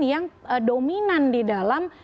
yang dominan di dalam